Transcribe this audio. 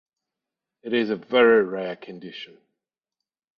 It is a very rare condition.